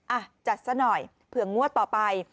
อ่ะจัดซะหน่อยเผื่องวดต่อไป